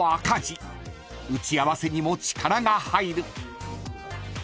［打ち合わせにも力が入る］